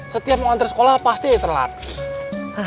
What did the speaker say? setiap mau antar sekolah pasti terlalu lama